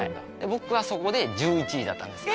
僕はそこで１１位だったんです。